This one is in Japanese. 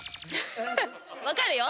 分かるよ。